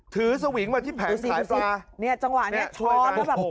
ถือสวิงมาที่แผงขายปลานี่จังหวะนี้ช้อนแล้วแบบโอ้โหโอ้โห